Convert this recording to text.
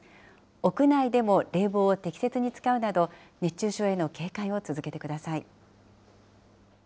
屋内でも冷房を適切に使うなど、熱中症への警戒を続けてください。